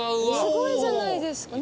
すごいじゃないですか。